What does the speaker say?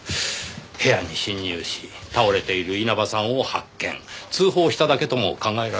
部屋に侵入し倒れている稲葉さんを発見通報しただけとも考えられます。